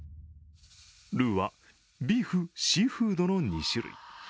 ルーはビーフ・シーフードの２種類。